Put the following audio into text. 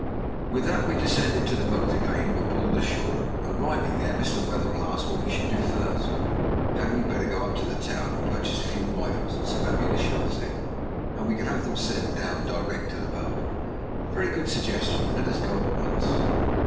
With that we descended to the boat again, and were pulled ashore. Arriving there, Mr. Wetherell asked what we should do first. "Hadn't we better go up to the town and purchase a few rifles and some ammunition?" I said. "We can have them sent down direct to the boat." "A very good suggestion. Let us go at once."